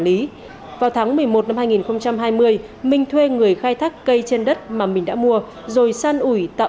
lý vào tháng một mươi một năm hai nghìn hai mươi minh thuê người khai thác cây trên đất mà mình đã mua rồi san ủi tạo